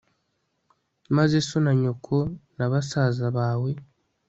maze so na nyoko na basaza bawe